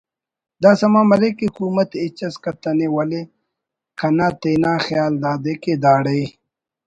دا سما مریک کہ حکومت ہچ اس کتنے ولے کنا تینا خیال دادے کہ داڑے